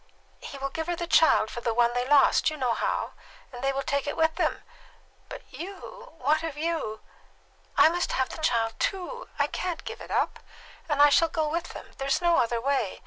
"He will give her the child for the one they lost you know how! And they will take it with them." "But you what have you " "I must have the child too! I can't give it up, and I shall go with them. There's no other way.